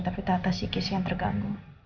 tapi tak atas si kis yang terganggu